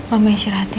mama istirahat ya